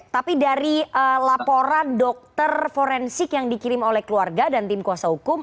tapi dari laporan dokter forensik yang dikirim oleh keluarga dan tim kuasa hukum